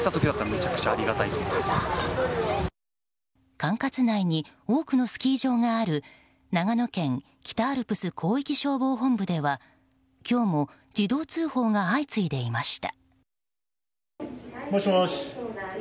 管轄内に多くのスキー場がある長野県北アルプス広域消防本部では今日も自動通報が相次いでいました。